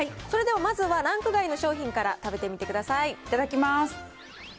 それではまずはランク外の商品から食べてみてください。